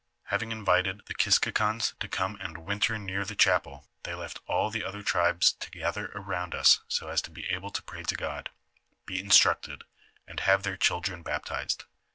Having invited the Kiekakons to come and winter near the chapel, they left all the other tribes to gather around us so as to be able to pray to God, be instructed, and have their children baptized.